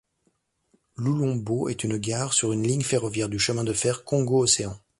Loulombo est une gare sur une ligne ferroviaire du Chemin de fer Congo-Océan.